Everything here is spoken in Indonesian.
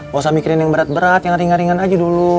gak usah mikirin yang berat berat yang ringan ringan aja dulu